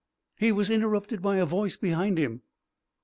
He was interrupted by a voice behind him.